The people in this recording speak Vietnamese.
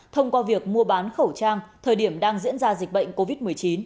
thông qua việc mua bán khẩu trang thời điểm đang diễn ra dịch bệnh covid một mươi chín